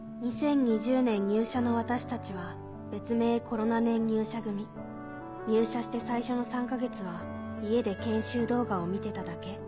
２０２０年入社の私たちは別名コロナ年入社組入社して最初の３か月は家で研修動画を見てただけ